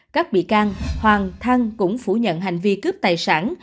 các bị can hoàng thăng cũng phủ nhận hành vi cướp tài sản